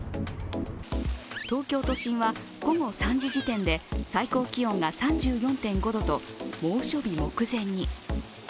東京都心は午後３時時点で最高気温が３４．５度と猛暑日目前に。